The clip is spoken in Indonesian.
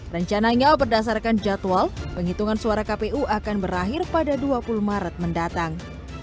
rencananya berdasarkan jadwal penghitungan suara kpu akan berakhir pada dua puluh maret mendatang